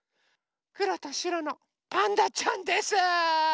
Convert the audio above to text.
くろとしろのパンダちゃんです。